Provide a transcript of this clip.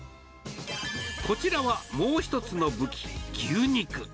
こちらは、もう１つの武器、牛肉。